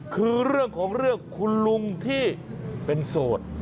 คือเรื่องของเรื่องคุณลุงที่เป็นโสด